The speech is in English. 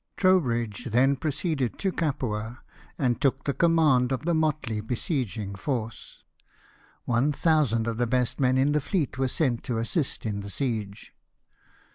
Trowbridge then proceeded to Capua, and took the command of the motley besieging force. One thousand of the best men in the fleet were sent to assist in the siege.